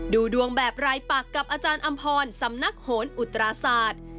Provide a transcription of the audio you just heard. ดูดวงแบบรายปักกับอาจารย์อำพรสำนักโหนอุตราศาสตร์